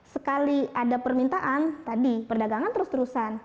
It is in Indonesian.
sekali ada permintaan tadi perdagangan terus terusan